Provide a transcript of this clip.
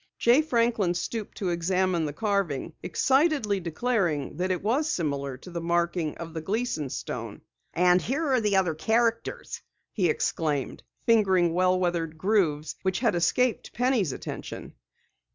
Jay Franklin stooped to examine the carving, excitedly declaring that it was similar to the marking of the Gleason stone. "And here are other characters!" he exclaimed, fingering well weathered grooves which had escaped Penny's attention.